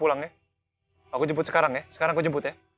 aku jemput sekarang ya sekarang aku jemput ya